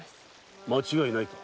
間違いないか？